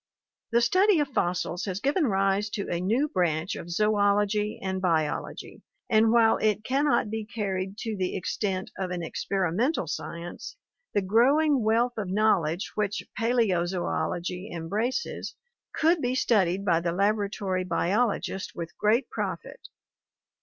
The study of fossils has given rise to a new branch of Zoology and Biology, and while it can not be carried to the extent of an experimental science, the growing wealth of knowledge which Paleozoology embraces could be studied by the laboratory biolo gist with great profit.